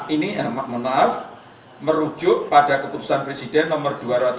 ini maaf merujuk pada keputusan presiden nomor dua ratus lima puluh satu